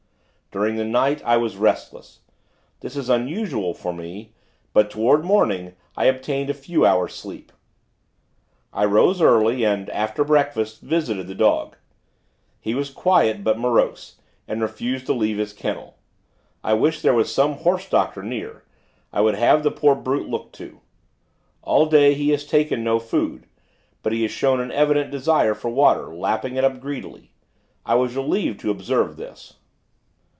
During the night, I was restless. This is unusual for me; but, toward morning, I obtained a few hours' sleep. I rose early, and, after breakfast, visited the dog. He was quiet; but morose, and refused to leave his kennel. I wish there was some horse doctor near here; I would have the poor brute looked to. All day, he has taken no food; but has shown an evident desire for water lapping it up, greedily. I was relieved to observe this.